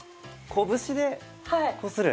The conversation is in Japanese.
拳でこする。